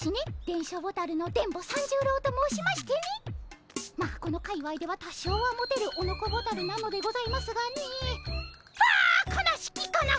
電書ボタルの電ボ三十郎と申しましてねまあこの界わいでは多少はモテるオノコボタルなのでございますがねああ悲しきかな